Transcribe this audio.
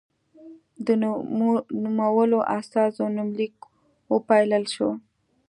د نومولو استازو نومليک وپايلل شو.